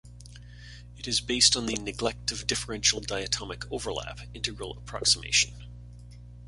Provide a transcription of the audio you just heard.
It is based on the Neglect of Differential Diatomic Overlap integral approximation.